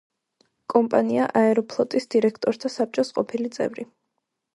კომპანია „აეროფლოტის“ დირექტორთა საბჭოს ყოფილი წევრი.